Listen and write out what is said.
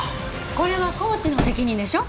これはコーチの責任でしょ？